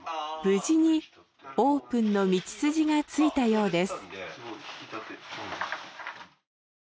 無事にオープンの道筋がついたようです。